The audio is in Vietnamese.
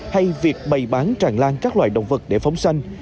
hay việc bày bán tràn lan các loài động vật để phóng xanh